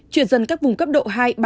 truyền dân các vùng cấp độ hai ba bốn